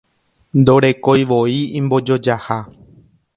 Ndorekoivoi imbojojaha